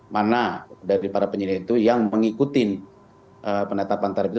mana dari para penyedia itu yang mengikuti penetapan tarif itu